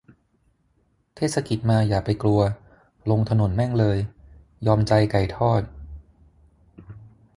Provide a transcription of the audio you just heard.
เทศกิจมาอย่าไปกลัว ลงถนนแม่งเลย ยอมใจไก่ทอด